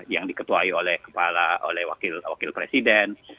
yang diketuai oleh kepala oleh wakil presiden